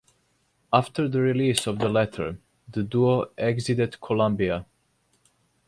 After the release of the latter, the duo exited Columbia.